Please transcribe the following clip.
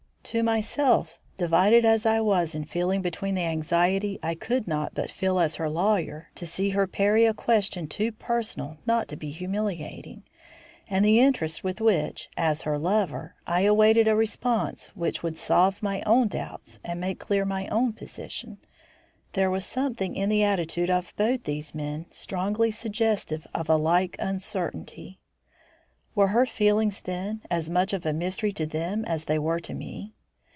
To myself, divided as I was in feeling between the anxiety I could not but feel as her lawyer to see her parry a question too personal not to be humiliating, and the interest with which, as her lover, I awaited a response which would solve my own doubts and make clear my own position, there was something in the attitude of both these men strongly suggestive of a like uncertainty. Were her feelings, then, as much of a mystery to them as they were to me?